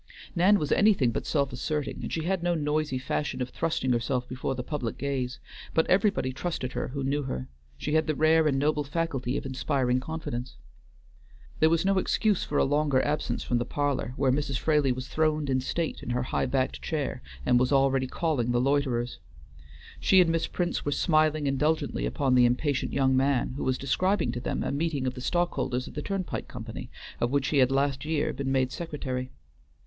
Nan was anything but self asserting, and she had no noisy fashion of thrusting herself before the public gaze, but everybody trusted her who knew her; she had the rare and noble faculty of inspiring confidence. There was no excuse for a longer absence from the parlor, where Mrs. Fraley was throned in state in her high backed chair, and was already calling the loiterers. She and Miss Prince were smiling indulgently upon the impatient young man, who was describing to them a meeting of the stockholders of the Turnpike Company, of which he had last year been made secretary.